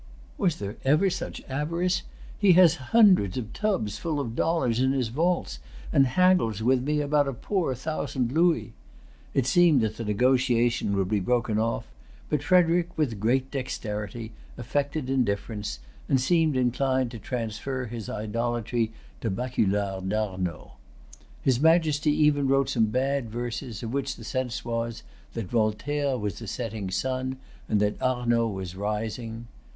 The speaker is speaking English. "Was there ever such avarice? He has hundreds of tubs full of dollars in his vaults, and haggles with me about a poor thousand louis." It seemed that the negotiation would be broken off; but Frederic, with great dexterity, affected indifference, and seemed inclined to transfer his idolatry to Baculard d'Arnaud. His Majesty even wrote some bad verses, of which the sense was, that Voltaire was a setting sun, and that Arnaud was rising.